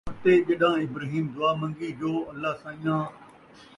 اَتے ڄݙاں ابراہیم دُعا منگی جو اللہ سَئیں آں!